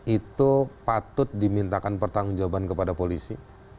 itu patut dimintakan pertanggung jawaban kepada polisi